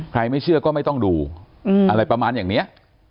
ไม่เชื่อก็ไม่ต้องดูอะไรประมาณอย่างนี้